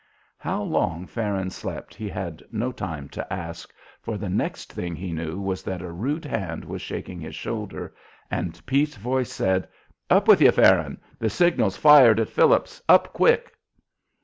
How long Farron slept he had no time to ask, for the next thing he knew was that a rude hand was shaking his shoulder, and Pete's voice said, "Up with you, Farron! The signal's fired at Phillips's. Up quick!"